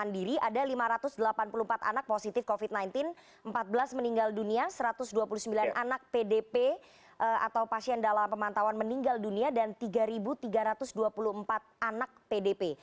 ada lima ratus delapan puluh empat anak positif covid sembilan belas empat belas meninggal dunia satu ratus dua puluh sembilan anak pdp atau pasien dalam pemantauan meninggal dunia dan tiga tiga ratus dua puluh empat anak pdp